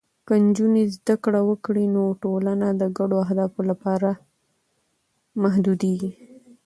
که نجونې زده کړه وکړي، نو ټولنه د ګډو اهدافو لپاره متحدېږي.